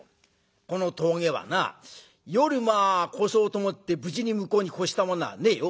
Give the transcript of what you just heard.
この峠はな夜まあ越そうと思って無事に向こうに越した者はねえよ。